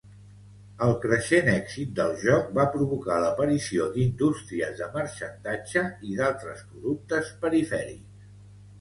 El creixent èxit del joc va provocar l'aparició d'indústries de marxandatge i d'altres productes perifèrics.